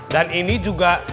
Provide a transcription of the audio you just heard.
dan ini juga